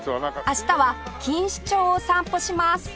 明日は錦糸町を散歩します